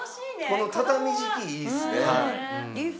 この畳敷きいいっすね。